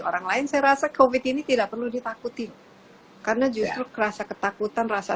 orang lain saya rasa covid ini tidak perlu ditakuti karena justru kerasa ketakutan rasa